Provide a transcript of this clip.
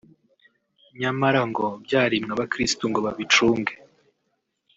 nyamara ngo byarimwe abakirisitu ngo babicunge